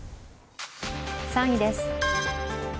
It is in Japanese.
３位です。